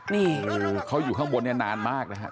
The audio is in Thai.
นี่เขาอยู่ข้างบนนานมากนะครับ